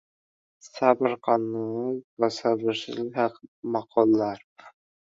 Sabr-qanoat va sabrsizlik haqida maqollar.